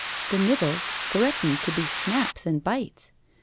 The nibbles threatened to be snaps and bites.